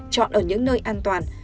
chọn ở những nơi an toàn